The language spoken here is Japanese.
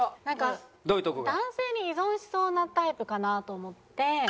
なんか男性に依存しそうなタイプかなと思って。